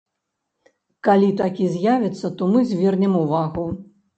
Калі такі з'явіцца, то мы звернем увагу.